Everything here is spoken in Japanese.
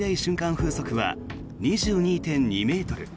風速は２２．２ｍ。